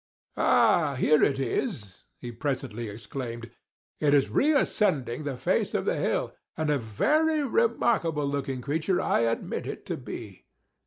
"Ah, here it is," he presently exclaimed—"it is reascending the face of the hill, and a very remarkable looking creature I admit it to be.